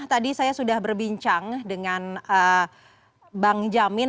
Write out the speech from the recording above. tadi saya sudah berbincang dengan bang jamin